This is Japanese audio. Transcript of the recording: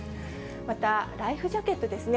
またライフジャケットですね。